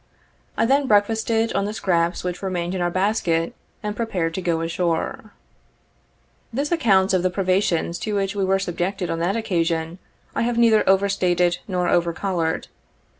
I then breakfasted on the scraps which remained in our basket, and prepared to go ashore. This account of the privations to which we were subjected on that occasion, I have neither over stated nor over colored.